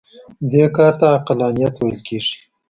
دې کار ته عقلانیت ویل کېږي.